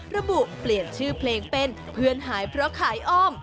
เปลี่ยนชื่อเพลงเป็นเพื่อนหายเพราะขายอ้อม